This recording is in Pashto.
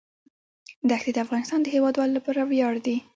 ښتې د افغانستان د هیوادوالو لپاره ویاړ دی.